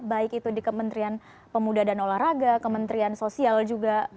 baik itu di kementerian pemuda dan olahraga kementerian sosial juga